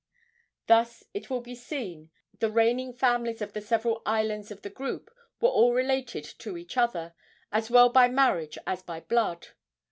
Thus, it will be seen, the reigning families of the several islands of the group were all related to each other, as well by marriage as by blood.